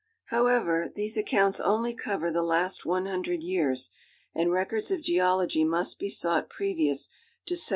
However, these accounts only cover the last one hundred years, and records of geology must be sought previous to 1793.